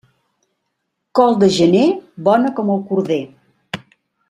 Col de gener, bona com el corder.